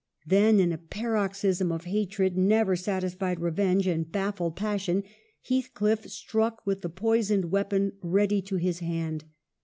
Then, in a paroxysm of hatred, never satisfied revenge, and baffled pas sion, Heathcliff struck with the poisoned weapon ready to his hand.